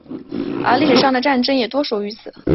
而历史上的战争也多属于此。